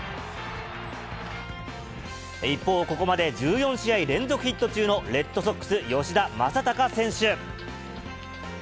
一方、ここまで１４試合連続ヒット中のレッドソックス、吉田正尚選手。